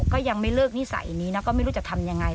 ก็ยังไม่เลิกนิสัยนี้นะก็ไม่รู้จะทำยังไง